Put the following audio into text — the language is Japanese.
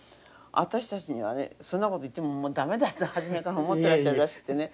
私たちにはねそんなこと言ってももう駄目だと初めから思ってらっしゃるらしくてね。